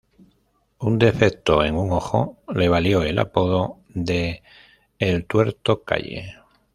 Un defecto en un ojo le valió el apodo de "El Tuerto Calle".